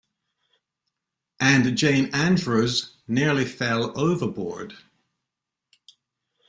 And Jane Andrews nearly fell overboard.